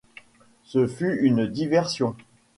Ce fut une diversion.